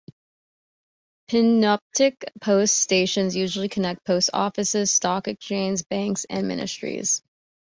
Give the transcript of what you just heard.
Pneumatic post stations usually connect post offices, stock exchanges, banks and ministries.